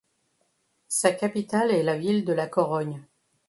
Sa capitale est la ville de La Corogne.